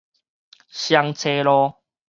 双叉路